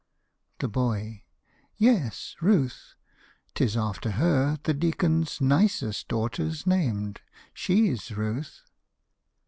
THE BOY. Yes, Ruth! 'T is after her The deacon's nicest daughter's named; she's Ruth.